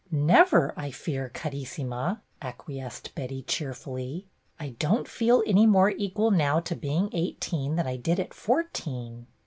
"Never, I fear, Carissima,'^ acquiesced Betty, cheerfully. "I don't feel any more equal now to being eighteen than I did at fourteen."